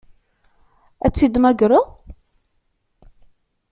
Ad t-id-temmagreḍ?